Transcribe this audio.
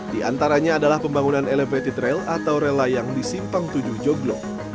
di antaranya adalah pembangunan elevated rail atau rela yang disimpang tujuh joglo